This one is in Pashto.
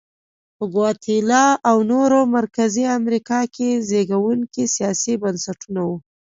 په ګواتیلا او نورو مرکزي امریکا کې زبېښونکي سیاسي بنسټونه وو.